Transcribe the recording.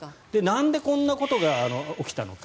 何でこんなことが起きたのか。